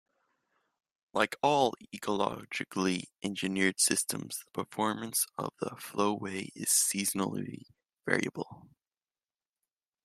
Like all ecologically engineered systems, the performance of the flow-way is seasonally variable.